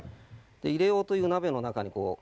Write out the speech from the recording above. で入れようという鍋の中にこう。